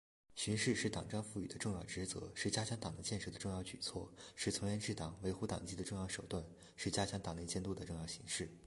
巡视是党章赋予的重要职责，是加强党的建设的重要举措，是从严治党、维护党纪的重要手段，是加强党内监督的重要形式。